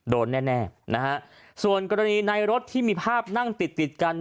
โดนแน่ส่วนกรณีในรถที่มีภาพนั่งติดกัน